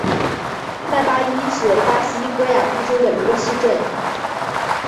曼巴伊是巴西戈亚斯州的一个市镇。